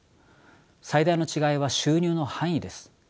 最大の違いは収入の範囲です。